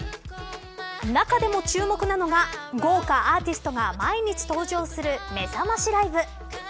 中でも注目なのが豪華アーティストが毎日登場するめざましライブ。